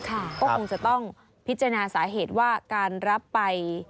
ก็คงจะต้องพิจารณาสาเหตุว่าการรับไป